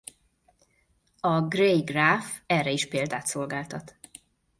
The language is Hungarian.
A Gray-gráf erre is példát szolgáltat.